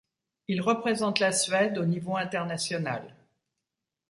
Il représente la Suède au niveau international.